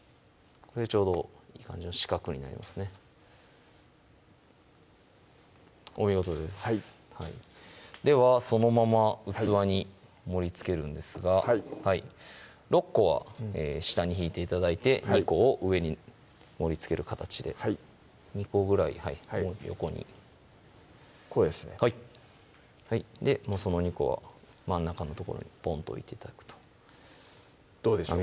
これでちょうどいい感じの四角になりますねお見事ですはいではそのまま器に盛りつけるんですが６個は下に敷いて頂いて２個を上に盛りつける形で２個ぐらい横にこうですねはいその２個は真ん中の所にポンと置いて頂くとどうでしょう？